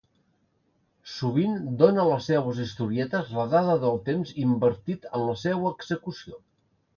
Sovint dóna a les seues historietes la dada del temps invertit en la seua execució.